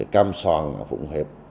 cam soàn phụng hiệp